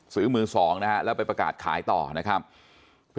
ซื้อมือสองนะฮะแล้วไปประกาศขายต่อนะครับ